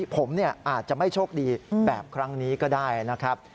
ผมอาจจะไม่โชคดีแบบครั้งนี้ก็ได้นะครับ